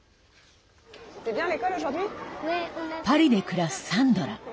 パリで暮らすサンドラ。